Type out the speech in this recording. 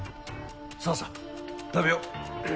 さあさ食べよう。